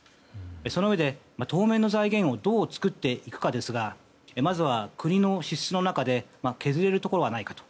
そのうえで、当面の財源をどう作っていくかですがまずは国の支出の中で削れるところはないかと。